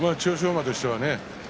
馬としてはね